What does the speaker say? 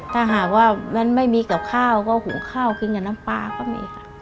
ถ้าหากว่ามันไม่มีกับข้าวก็หุงข้าวกินกับน้ำปลาก็มีค่ะ